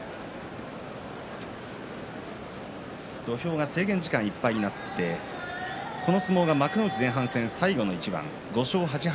土俵が制限時間いっぱいになってこの相撲が幕内前半戦最後の一番５勝８敗